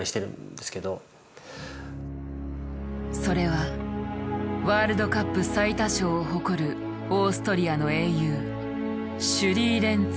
それはワールドカップ最多勝を誇るオーストリアの英雄